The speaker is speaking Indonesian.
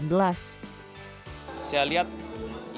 ini adalah perusahaan yang sangat berharga